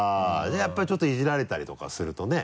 じゃあやっぱりちょっとイジられたりとかするとね。